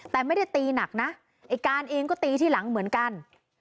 แต่ไม่ได้ตีหนักนะไอ้การเองก็ตีที่หลังเหมือนกัน